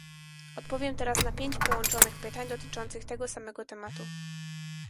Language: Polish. Odpowiem teraz na pięć połączonych pytań dotyczących tego samego tematu